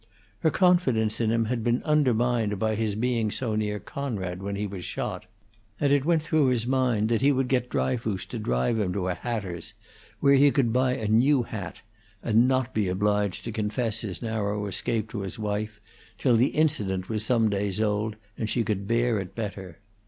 Her confidence in him had been undermined by his being so near Conrad when he was shot; and it went through his mind that he would get Dryfoos to drive him to a hatter's, where he could buy a new hat, and not be obliged to confess his narrow escape to his wife till the incident was some days old and she could bear it better.